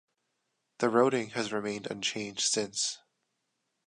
The routing has remained unchanged since.